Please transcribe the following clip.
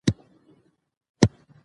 لکه شبنم د گلو غېږ ته بې رویباره درځم